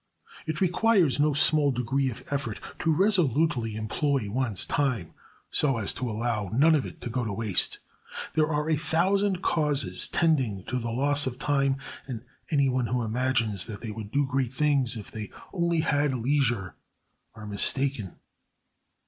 It requires no small degree of effort to resolutely employ one's time so as to allow none of it to go to waste. There are a thousand causes tending to the loss of time, and any one who imagines that they would do great things if they only had leisure are mistaken.